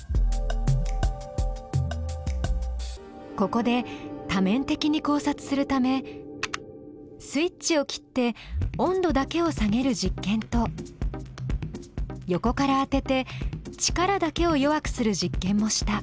ここで多面的に考察するためスイッチを切って温度だけを下げる実験と横から当てて力だけを弱くする実験もした。